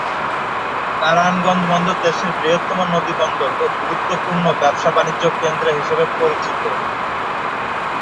নারায়ণগঞ্জ বন্দর দেশের বৃহত্তম নদীবন্দর ও গুরুত্বপূর্ণ ব্যবসা-বাণিজ্য কেন্দ্র হিসেবে পরিচিত।